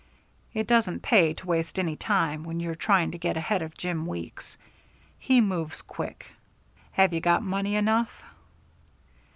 It doesn't pay to waste any time when you're trying to get ahead of Jim Weeks. He moves quick. Have you got money enough?"